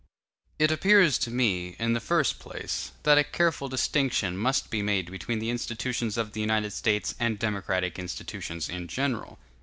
It appears to me, in the first place, that a careful distinction must be made between the institutions of the United States and democratic institutions in general.